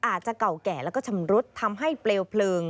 อาจจะเก่าแก่แล้วก็ชำรุดทำให้เปลวเพลิง